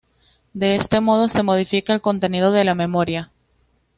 De este modo, se modifica el contenido de la memoria.